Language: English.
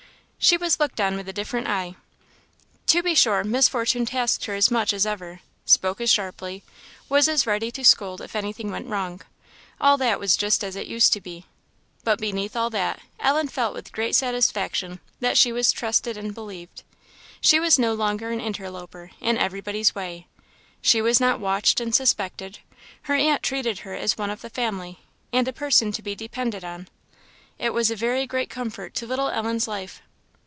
She was looked on with a different eye. To be sure, Miss Fortune tasked her as much as ever, spoke as sharply, was as ready to scold if anything went wrong; all that was just as it used to be; but beneath all that, Ellen felt with great satisfaction that she was trusted and believed. She was no longer an interloper, in everybody's way; she was not watched and suspected; her aunt treated her as one of the family, and a person to be depended on. It was a very great comfort to little Ellen's life.